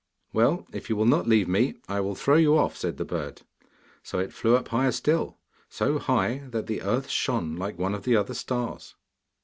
'Well, if you will not leave me, I will throw you off,' said the bird. So it flew up higher still so high that the earth shone like one of the other stars.